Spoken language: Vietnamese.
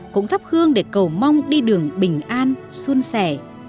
cũng thắp hương để cầu mong đi đường bình an xuân xẻ